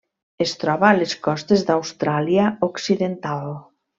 Es troba a les costes d'Austràlia Occidental.